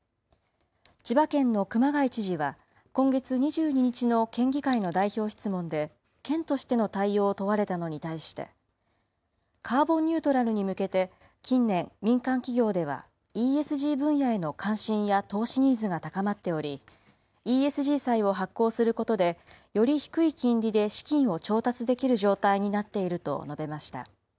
千葉県の熊谷知事は、今月２２日の県議会の代表質問で、県としての対応を問われたのに対して、カーボンニュートラルに向けて近年、民間企業では、ＥＳＧ分野への関心や投資ニーズが高まっており、ＥＳＧ債を発行することで、より低い金利で資金を調達できる状態になっていると述べました。